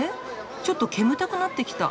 ちょっと煙たくなってきた。